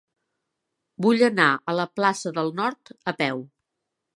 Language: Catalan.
Vull anar a la plaça del Nord a peu.